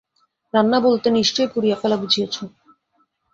রান্না বলতে নিশ্চয়ই পুড়িয়ে ফেলা বুঝিয়েছ।